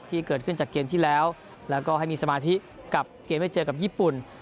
ที่เกิดขึ้นจากเกมที่แล้วแล้วก็ให้มีสมาธิกับเกมให้เจอกับญี่ปุ่น